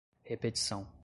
repetição